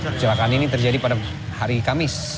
kecelakaan ini terjadi pada hari kamis